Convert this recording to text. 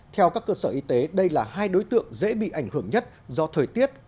theo các cơ sở y tế đây là hai đối tượng dễ bị ảnh hưởng nhất do thời tiết